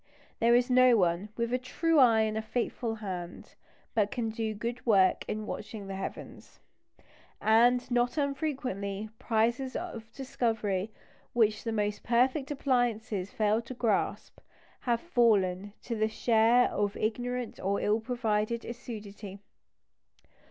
There is no one "with a true eye and a faithful hand" but can do good work in watching the heavens. And not unfrequently, prizes of discovery which the most perfect appliances failed to grasp, have fallen to the share of ignorant or ill provided assiduity.